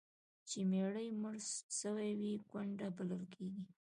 چي میړه یې مړ سوی وي، کونډه بلل کیږي.